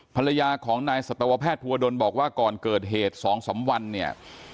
ภรรยาของนายสัตวแพทย์ภูวดลบอกว่าก่อนเกิดเหตุ๒๓วันเนี่ย